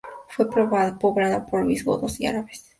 Fue poblada por visigodos y árabes.